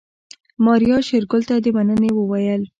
ماريا شېرګل ته د مننې وويل.